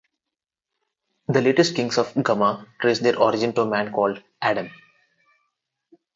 The latest kings of Gumma traced their origin to a man called Adam.